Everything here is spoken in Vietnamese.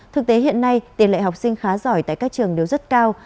thực tế hiện nay tiền lệ học sinh khá giỏi tại các trường đều rất cao